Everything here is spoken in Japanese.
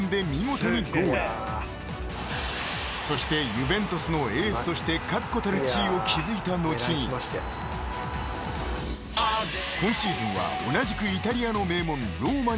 ［そしてユヴェントスのエースとして確固たる地位を築いた後に今シーズンは同じくイタリアの名門］